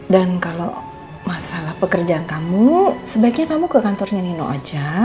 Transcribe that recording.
dan kalau masalah pekerjaan kamu sebaiknya kamu ke kantornya nino aja